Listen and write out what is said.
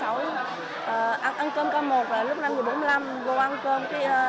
ăn cơm ca một là lúc năm h bốn mươi năm vô ăn cơm